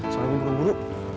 soalnya gue belum duduk